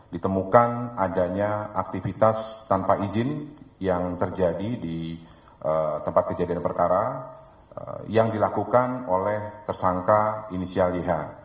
ditemukan adanya aktivitas tanpa izin yang terjadi di tempat kejadian perkara yang dilakukan oleh tersangka inisial ih